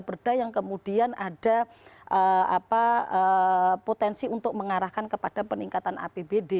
perda yang kemudian ada potensi untuk mengarahkan kepada peningkatan apbd